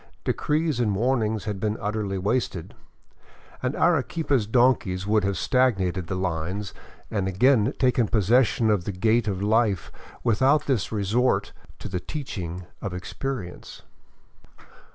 De crees and warnings had been utterly wasted, and Arequipa's donkeys would have stagnated the lines and again taken possession of the gait of life without this resort to the teaching of experience.